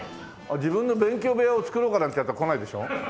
自分の勉強部屋を作ろうかなんてやつは来ないでしょ。